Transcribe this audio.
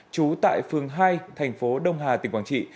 trú tại phường hai thành phố đông hà tỉnh quảng trị